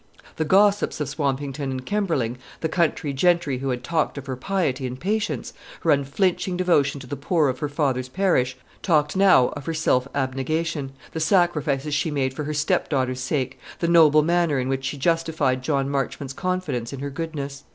The gossips of Swampington and Kemberling, the county gentry who had talked of her piety and patience, her unflinching devotion to the poor of her father's parish, talked now of her self abnegation, the sacrifices she made for her stepdaughter's sake, the noble manner in which she justified John Marchmont's confidence in her goodness.